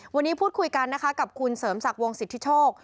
วันนี้พูดคุยกันนะคะกับคุณเสริมศักดิ์วงสิทธิโชค